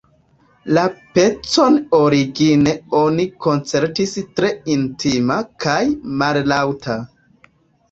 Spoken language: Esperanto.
La pecon origine oni koncertis tre intima kaj mallaŭta.